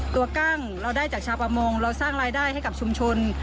กั้งเราได้จากชาวประมงเราสร้างรายได้ให้กับชุมชน